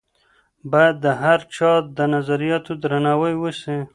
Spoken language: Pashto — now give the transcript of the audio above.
بايد د هر چا د نظرياتو درناوی وسي.